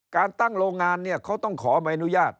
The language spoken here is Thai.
การตั้งโรงงานเนี่ยเขาต้องขอใบอนุญาต